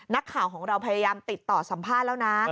นักข่าวของเราพยายามติดต่อสัมภาษณ์แล้วนะ